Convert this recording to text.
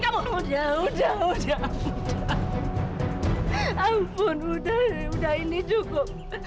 apalagi yang kamu tunggu